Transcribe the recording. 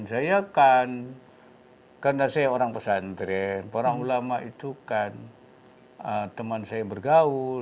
saya kan karena saya orang pesantren para ulama itu kan teman saya yang bergaul